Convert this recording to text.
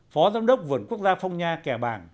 phó giám đốc vườn quốc gia phong nha kè bảng